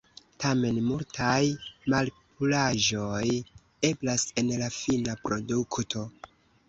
Tamen multaj malpuraĵoj eblas en la fina produkto.